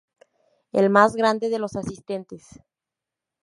El más grande de los asistentes.